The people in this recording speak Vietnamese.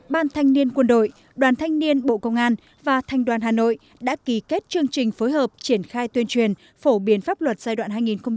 ban thanh niên quân đội đoàn thanh niên bộ công an và thanh đoàn hà nội đã ký kết chương trình phối hợp triển khai tuyên truyền phổ biến pháp luật giai đoạn hai nghìn một mươi ba hai nghìn hai mươi